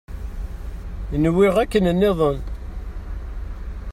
Nwiɣ akken-nniḍen.